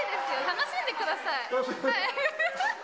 楽しんでください。